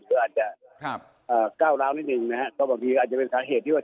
ก็อาจจะก้าวร้าวนิดนึงนะฮะก็บางทีอาจจะเป็นสาเหตุที่ว่า